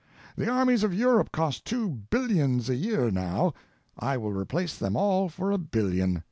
The armies of Europe cost two billions a year now—I will replace them all for a billion.